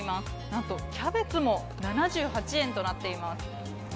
なんとキャベツも７８円となっています。